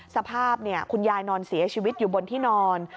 สภาพคุณยายนอนเสียชีวิตอยู่บนที่นอน